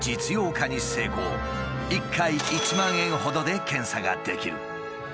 １回１万円ほどで検査ができる。